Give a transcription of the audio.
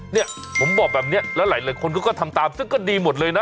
เนี่ยผมบอกแบบนี้แล้วหลายคนก็ทำตามซึ่งก็ดีหมดเลยนะ